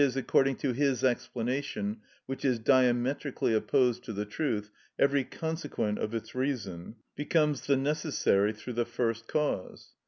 _, according to his explanation, which is diametrically opposed to the truth, every consequent of its reason) becomes the necessary through the first cause.